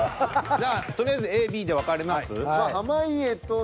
じゃあとりあえずＡＢで分かれます？